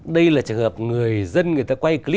đây là trường hợp người dân người ta quay clip